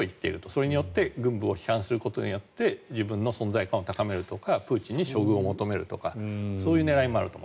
それによって軍部を批判することによって自分の存在感を高めるとかプーチンに処遇を求めるとかそういう狙いもあるかと。